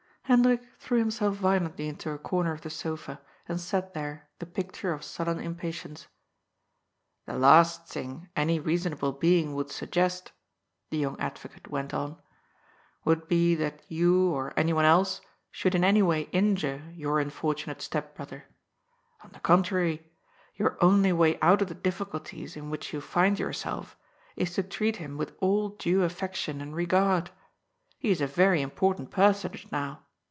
Hendrik threw himself violently into a comer of the sofa, and sat there the picture of sullen impatience. " The last thing any reasonable being would suggest," the young advocate went on, " would be that you or anyone else should in any way injure your unfortunate step brother. On the contrary, your only way out of the difficulties in which you find yourself is to treat him with all due aflfection and regard. He is a very important personage now.